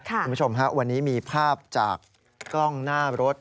คุณผู้ชมฮะวันนี้มีภาพจากกล้องหน้ารถ